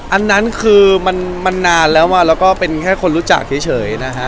อันนั้นคือมันนานแล้วแล้วก็เป็นแค่คนรู้จักเฉยนะฮะ